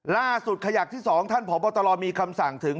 ล่าสุดขยักที่๒ท่านพบชมีคำสั่งถึง